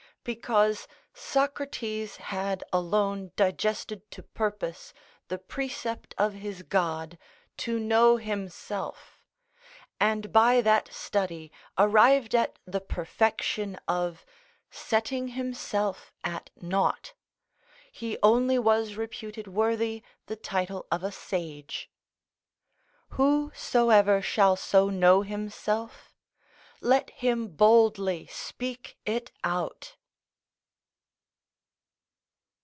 Because Socrates had alone digested to purpose the precept of his god, "to know himself," and by that study arrived at the perfection of setting himself at nought, he only was reputed worthy the title of a sage. Whosoever shall so know himself, let him boldly speak it out.